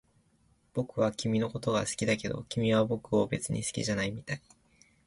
僕は君のことが好きだけど、君は僕を別に好きじゃないみたい